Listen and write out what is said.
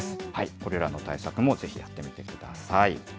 これらの対策もぜひやってみてください。